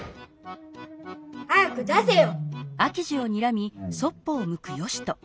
早く出せよ！